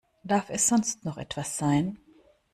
Darf es sonst noch etwas sein?